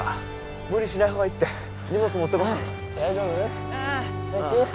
無理しないほうがいいって荷物持ってこ大丈夫平気？